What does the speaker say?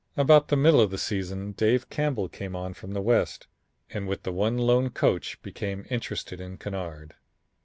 About the middle of the season, Dave Campbell came on from the West and with the one lone coach became interested in Kennard.